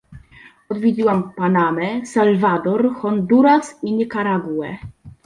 Odwiedziłam Panamę, Salwador, Honduras i Nikaraguę